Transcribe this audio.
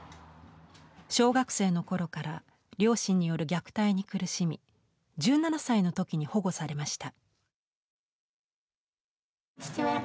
小学生のころから両親による虐待に苦しみ１７歳のときに保護されました。